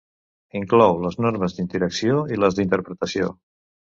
Inclou les normes d’interacció i les d’interpretació.